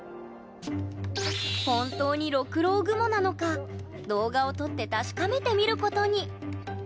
本当に六郎雲なのか動画を撮って確かめてみることに。